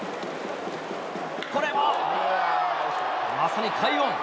これも、まさに快音。